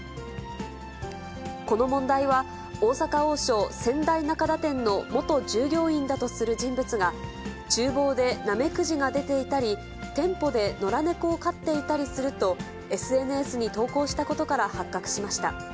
この問題は、大阪王将仙台中田店の元従業員だとする人物が、ちゅう房でナメクジが出ていたり、店舗で野良猫を飼っていたりすると、ＳＮＳに投稿したことから発覚しました。